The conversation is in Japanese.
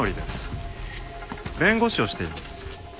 弁護士をしています。